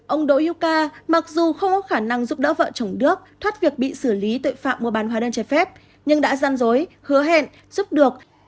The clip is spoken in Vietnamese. ông đỗ hữu ca mặc dù không có khả năng giúp đỡ vợ chồng đức thoát việc bị xử lý tội phạm mua bán hóa đơn trái phép nhưng đã gian dối hứa hẹn giúp được